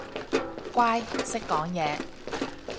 乖，識講嘢